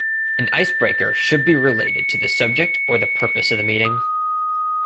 An icebreaker should be related to the subject or the purpose of the meeting.